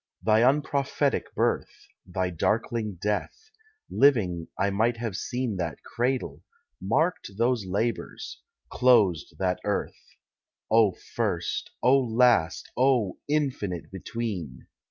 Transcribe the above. Thy unprophetic birth, Thy darkling death: living I might have seen That cradle, marked those labours, closed that earth. O first, O last, O infinite between!